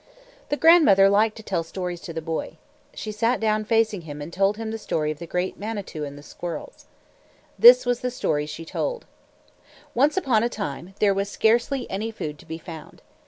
The grandmother liked to tell stories to the boy. She sat down facing him and told him the story of the great Manitou and the squirrels. This was the story she told: Once upon a time, there was scarcely any food to be found.